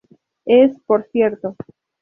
Es, por cierto.